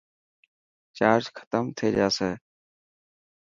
چارج ختم ٿي جاسي.